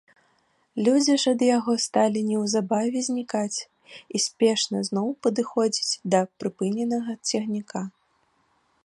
Людзі ж ад яго сталі неўзабаве знікаць і спешна зноў падыходзіць да прыпыненага цягніка.